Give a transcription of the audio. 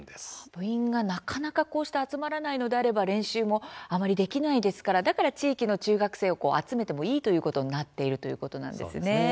部員がなかなかこうして集まらないのであれば練習もあまりできないですからだから地域の中学生を集めてもいいということになっているということなんですね。